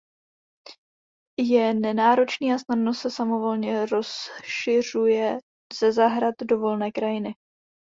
Je nenáročný a snadno se samovolně rozšiřuje ze zahrad do volné krajiny.